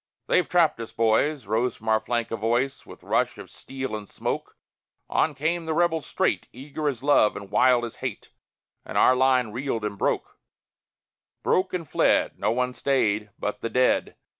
"They've trapped us, boys!" Rose from our flank a voice. With rush of steel and smoke On came the rebels straight, Eager as love and wild as hate; And our line reeled and broke; Broke and fled. Not one stayed, but the dead!